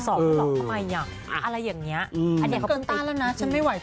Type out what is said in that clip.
ทำไมนี่อะไรอย่างนี้